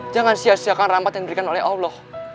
jangan sia siakan rahmat yang diberikan oleh allah